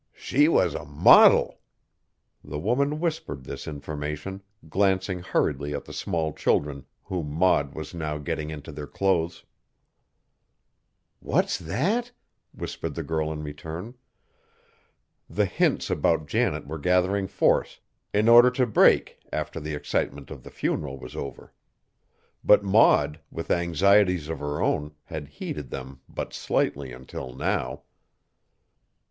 She was a modil!" The woman whispered this information, glancing hurriedly at the small children whom Maud was now getting into their clothes. "What's that?" whispered the girl in return. The hints about Janet were gathering force in order to break after the excitement of the funeral was over. But Maud, with anxieties of her own, had heeded them but slightly until now.